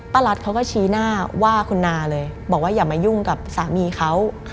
รัฐเขาก็ชี้หน้าว่าคุณนาเลยบอกว่าอย่ามายุ่งกับสามีเขา